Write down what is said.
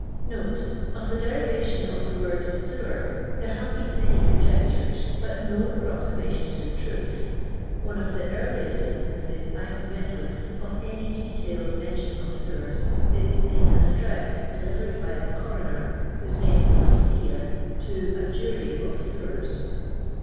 * Of the deriration of the word Sewer there hare been many conjectures, but no approximation to the truth. One of the earliest inatanocs i have met with of any de tailed mention of aewert, ia in an address delivered by a Coroner," whose name does not appear, to a Jury of sewers."